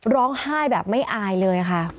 ร้องไห้แบบไม่อายเลยค่ะ